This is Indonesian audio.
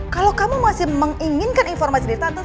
kalau kamu masih menginginkan informasi dari tante